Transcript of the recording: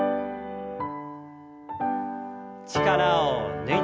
力を抜いて。